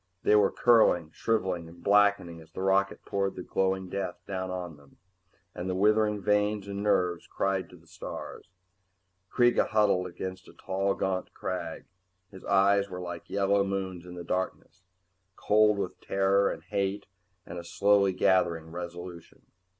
They were curling, shriveling and blackening as the rocket poured the glowing death down on them, and the withering veins and nerves cried to the stars. Kreega huddled against a tall gaunt crag. His eyes were like yellow moons in the darkness, cold with terror and hate and a slowly gathering resolution.